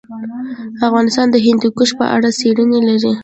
افغانستان د هندوکش په اړه څېړنې لري.